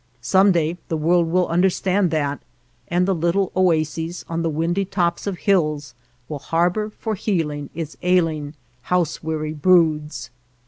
Some day the world will understand that, and the little oases on the windy tops of hills will har bor for healing its ailing, house weary broods.